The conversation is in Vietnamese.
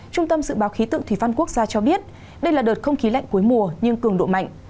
trung tâm dự báo khí tượng thủy văn quốc gia cho biết đây là đợt không khí lạnh cuối mùa nhưng cường độ mạnh